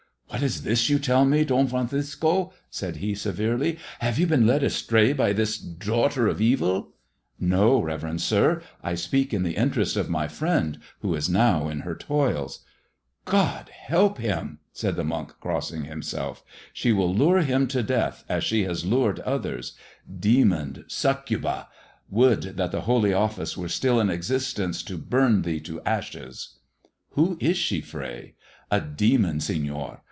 " What is this you tell me, Don Francisco 1 " said he severely. "Have you been led astray by this daughter of evil 1 "" No, reverend sir. I speak in the interest of my friend, who is now in her toils." " God help him !'' said the monk, crossing himself. " She 224 'THE TAIX OF THE TnEQUOISE SK0LL ' will lure him to death, as she has lured others. Demon tuaaiba, wovild that the Holy Office were Etill in existence to bum thee to ashes I "" Who is Bhe, Fray t "" A demon, Senor.